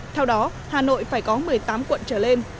theo đó hà nội phải có một mươi tám quận trở lên